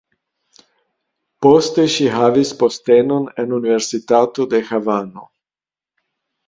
Poste ŝi havis postenon en universitato de Havano.